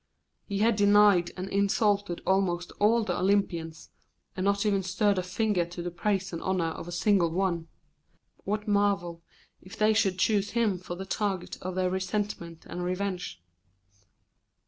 He had denied and insulted almost all the Olympians, and not even stirred a finger to the praise and honour of a single one. What marvel if they should choose him for the target of their resentment and revenge?